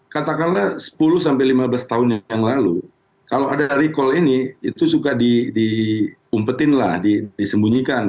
katakanlah sepuluh sampai lima belas tahun yang lalu kalau ada recall ini itu suka diumpetin lah disembunyikan